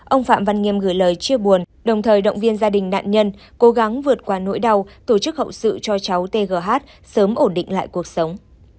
ông phạm văn nghiêm gửi lời chia buồn đồng thời động viên gia đình nạn nhân cố gắng vượt qua nỗi đau tổ chức hậu sự cho cháu tgh sớm ổn định lại cuộc sống